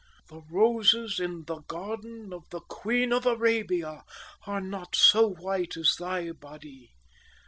The roses in the garden of the Queen of Arabia are not so white as thy body.